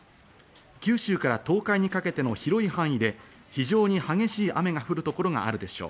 九州から東海にかけての広い範囲で以上に激しい雨の降る所があるでしょう。